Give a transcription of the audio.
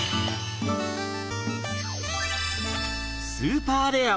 スーパーレア！